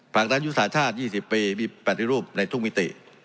ภาครังยุคสาชาช๒๐ปีมีแปลติรูปในทุกมิติ